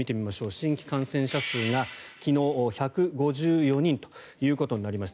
新規感染者数が昨日、１５４人ということになりました。